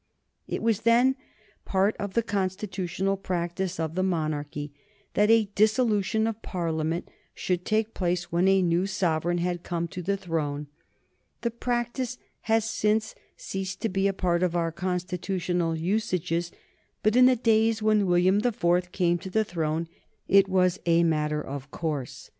It was then part of the constitutional practice of the monarchy that a dissolution of Parliament should take place when a new sovereign had come to the throne. The practice has since ceased to be a part of our constitutional usages, but in the days when William the Fourth came to the throne it was a matter of course.